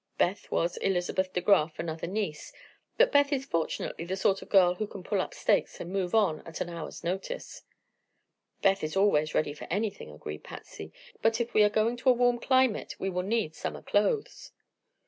Beth was Elizabeth De Graf, another niece. "But Beth is fortunately the sort of girl who can pull up stakes and move on at an hour's notice." "Beth is always ready for anything," agreed Patsy. "But if we are going to a warm climate we will need summer clothes."